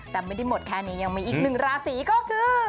แต่ไม่ได้หมดแค่นี้ยังมีอีกหนึ่งราศีก็คือ